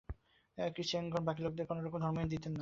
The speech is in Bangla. ক্রিশ্চানগণ বাকী লোকদের কোনরকম ধর্মই দিতে পারেন না।